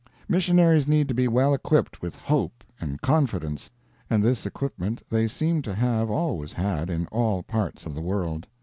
Missionaries need to be well equipped with hope and confidence, and this equipment they seem to have always had in all parts of the world.